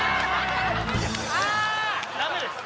ダメです